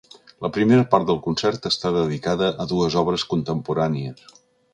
La primera part del concert està dedicada a dues obres contemporànies.